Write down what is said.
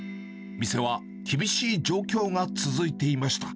店は厳しい状況が続いていました。